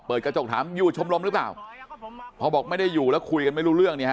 เปิดกระจกถามอยู่ชมรมหรือเปล่าพอบอกไม่ได้อยู่แล้วคุยกันไม่รู้เรื่องเนี่ยฮ